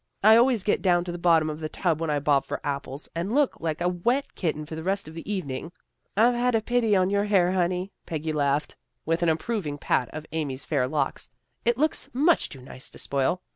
I always get down to the bottom of the tub when I bob for apples and look like a wet kitten for the rest of the evening." " I've had pity on your hair, honey," Peggy laughed, with an approving pat of Amy's fair locks. " It looks much too nice to spoil."